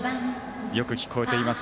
よく聞こえています